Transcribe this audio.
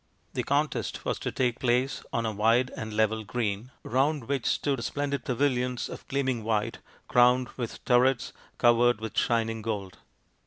The contest was to take place on a wide and level green, round which stood splendid pavilions of gleaming white crowned with turrets covered with shining gold.